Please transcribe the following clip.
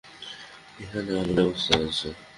এখানে আলোর ব্যবস্থা আছে।